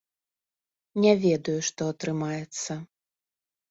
Не ведаю, што атрымаецца.